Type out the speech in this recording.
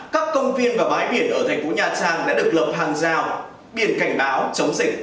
các công viên và bái biển ở thành phố nhà trang đã được lập hàng giao biển cảnh báo chống dịch